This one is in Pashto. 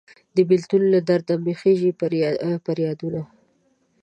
د بیلتون له درد مې خیژي پریادونه